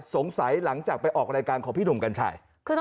สงสัยหลังจากไปออกรายการขอบพี่หนุ่มกันใช่